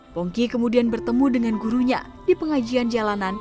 pongki kemudian bertemu dengan gurunya di pengajian jalanan